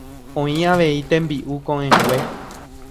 Oĩ avei tembi'u ko'ẽngue